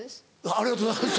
ありがとうございます。